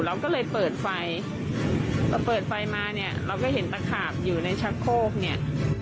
เราก็เลยเปิดไฟเราเปิดไฟมาเนี่ย